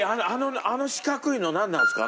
あの四角いのなんなんですか？